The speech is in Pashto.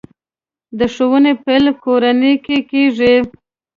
د ښوونې پیل کورنۍ کې کېږي.